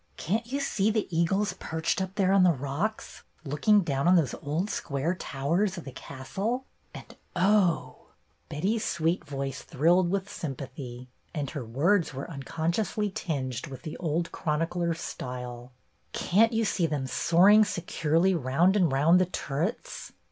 Can't you see the eagles perched up there on their rocks, looking down on those old square towers of the castle ? And, oh, —" Betty's sweet voice thrilled with sympathy, COMING EVENTS 5 and her words were unconsciously tinged with the old chronicler's style, — "can't you see them soaring securely round and round the turrets